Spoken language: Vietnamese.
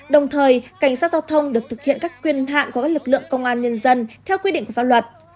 đồng thời cảnh sát giao thông được thực hiện các quyền hạn của các lực lượng công an nhân dân theo quy định của pháp luật